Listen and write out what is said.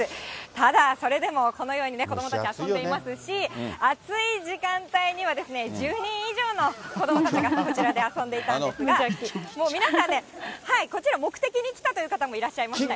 ただそれでも、このように子どもたち遊んでいますし、暑い時間帯には、１０人以上の子どもたちがこちらで遊んでいたんですが、もう皆さんね、こちら目的に来たという方もいらっしゃいましたよ。